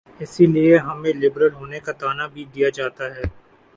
اسی لیے انہیں لبرل ہونے کا طعنہ بھی دیا جاتا ہے۔